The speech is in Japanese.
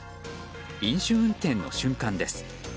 飲酒運転の瞬間です。